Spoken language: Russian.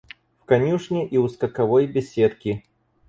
В конюшне и у скаковой беседки.